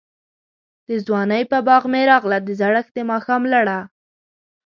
دځوانۍ په باغ می راغله، دزړښت دماښام لړه